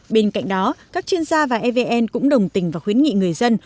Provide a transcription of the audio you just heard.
bên cạnh đó các chuyên gia và evn cũng đồng tình và khuyến nghị người dân